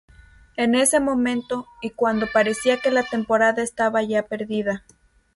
En ese momento, y cuando parecía que la temporada estaba ya perdida.